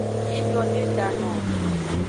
Yi nyo de da no o.